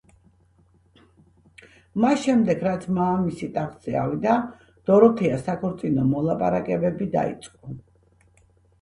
მას შემდეგ, რაც მამამისი ტახტზე ავიდა, დოროთეას საქორწინო მოლაპარაკებები დაიწყო.